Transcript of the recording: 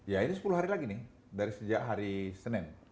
ya ini sepuluh hari lagi nih dari sejak hari senin